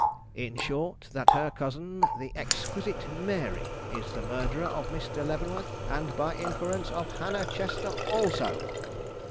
In short, that her cousin, the exquisite Mary, is the murderer of Mr. Leavenworth, and by inference of Hannah Chester also."